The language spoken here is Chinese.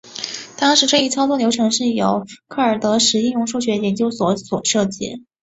当时这一操作流程由克尔德什应用数学研究所所设计。